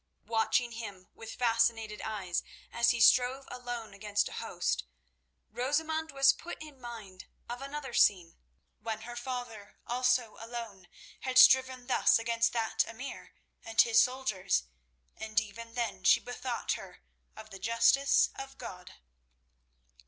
Watching him with fascinated eyes as he strove alone against a host, Rosamund was put in mind of another scene, when her father, also alone, had striven thus against that emir and his soldiers, and even then she bethought her of the justice of God.